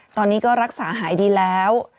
ตอนนี้ก็รักษาหายดีแล้ว